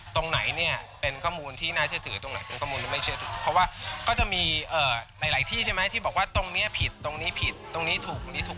ที่บอกว่าตรงนี้ผิดตรงนี้ผิดตรงนี้ถูกตรงนี้ถูก